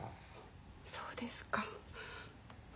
そうですか。